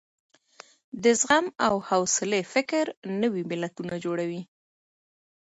د زغم او حوصلې فکر نوي ملتونه جوړوي.